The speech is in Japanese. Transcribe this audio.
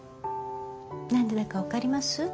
何でだか分かります？